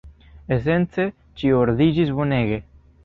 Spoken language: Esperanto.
Esence, ĉio ordiĝis bonege.